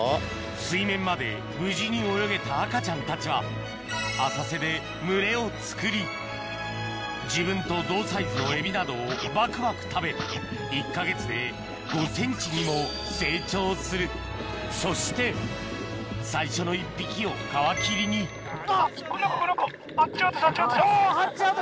水面まで無事に泳げた赤ちゃんたちは浅瀬で群れをつくり自分と同サイズのエビなどをバクバク食べ１か月で５ｃｍにも成長するそして最初の１匹を皮切りにハッチアウトハッチアウト。